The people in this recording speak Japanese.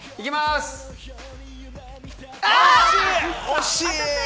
惜しい！